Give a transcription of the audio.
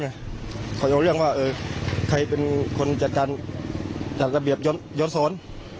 เขาจะเอาเรื่องว่าเออใครเป็นคนจัดการจัดระเบียบยนสน